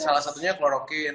salah satunya klorokin